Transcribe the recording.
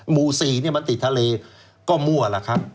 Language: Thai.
หมู่๔มันติดทะเลก็มั่วล่ะครับ